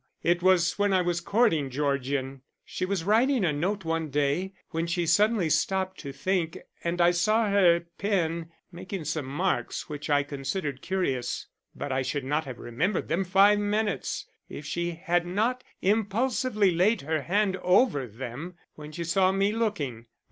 It was when I was courting Georgian. She was writing a note one day when she suddenly stopped to think and I saw her pen making some marks which I considered curious. But I should not have remembered them five minutes, if she had not impulsively laid her hand over them when she saw me looking.